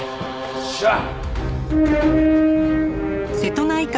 っしゃあ！